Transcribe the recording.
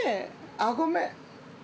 あぁ、ごめん。